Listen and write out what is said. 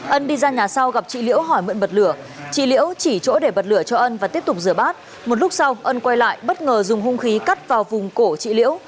ân đi ra nhà sau gặp chị liễu hỏi mượn bật lửa chị liễu chỉ chỗ để bật lửa cho ân và tiếp tục rửa bát một lúc sau ân quay lại bất ngờ dùng hung khí cắt vào vùng cổ chị liễu